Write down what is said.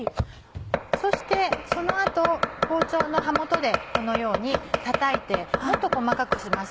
そしてその後包丁の刃元でこのようにたたいてもっと細かくします。